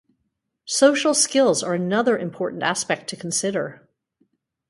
Social skills are another important aspect to consider.